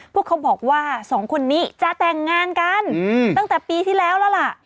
พวกเขาบอกว่าสองคนนี้จะแต่งงานกันตั้งแต่ปีที่แล้วแล้วล่ะ